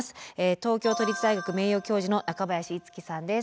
東京都立大学名誉教授の中林一樹さんです。